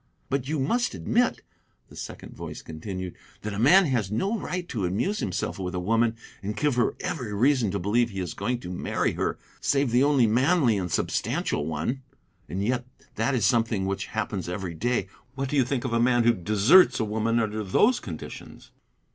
"But you must admit," the second voice continued, "that a man has no right to amuse himself with a woman, and give her every reason to believe he is going to marry her save the only manly and substantial one. And yet that is something which happens every day. What do you think of a man who deserts a woman under those conditions?"